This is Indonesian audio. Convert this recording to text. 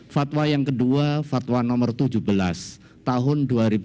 fatwa yang kedua fatwa nomor tujuh belas tahun dua ribu dua puluh